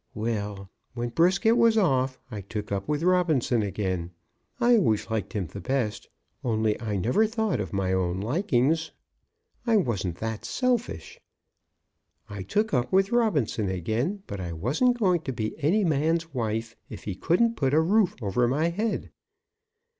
Well; when Brisket was off, I took up with Robinson again. I always liked him the best, only I never thought of my own likings. I wasn't that selfish. I took up with Robinson again; but I wasn't going to be any man's wife, if he couldn't put a roof over my head.